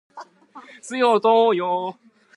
唯才是用